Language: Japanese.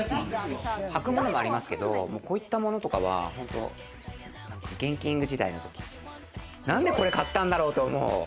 はくのもありますけど、こういったものとかは、ＧＥＮＫＩＮＧ時代のとき、なんでこれ買ったんだろうと思う。